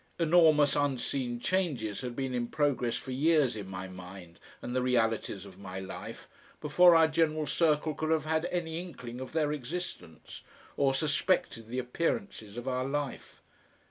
Enormous unseen changes had been in progress for years in my mind and the realities of my life, before our general circle could have had any inkling of their existence, or suspected the appearances of our life.